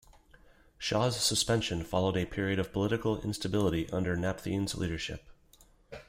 Shaw's suspension followed a period of political instability under Napthine's leadership.